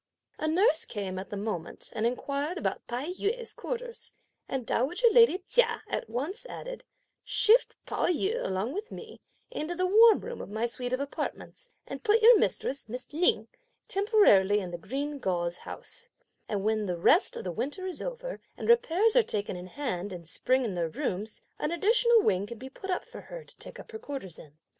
A nurse came at the moment and inquired about Tai yü's quarters, and dowager lady Chia at once added, "Shift Pao yü along with me, into the warm room of my suite of apartments, and put your mistress, Miss Lin, temporarily in the green gauze house; and when the rest of the winter is over, and repairs are taken in hand in spring in their rooms, an additional wing can be put up for her to take up her quarters in."